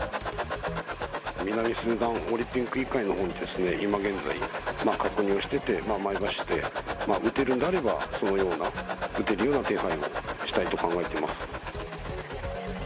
南スーダンオリンピック委員会のほうに、今現在、確認をしてて、前橋で打てるんであれば、そのような、打てるような手配をしたいと考えてます。